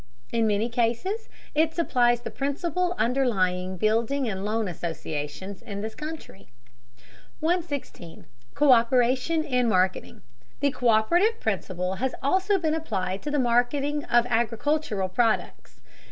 In many cases it supplies the principle underlying building and loan associations in this country. 116. COÍPERATION IN MARKETING. The co÷perative principle has also been applied to the marketing of agricultural products.